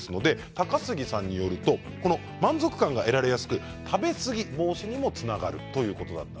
高杉さんによると満足感が得られやすく食べ過ぎ防止にもつながるということです。